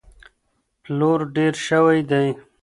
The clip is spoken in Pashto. پلور ډېر شوی دی.